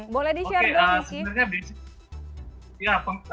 boleh di share dong rizky